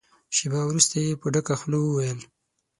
شېبه وروسته يې په ډکه خوله وويل.